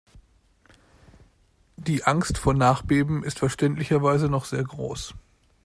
Die Angst vor Nachbeben ist verständlicherweise noch sehr groß.